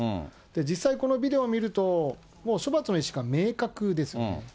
実際、このビデオ見ると、もう処罰の意思が明確ですよね。